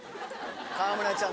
川村ちゃん